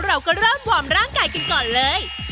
เราก็เริ่มวอร์มร่างกายกันก่อนเลย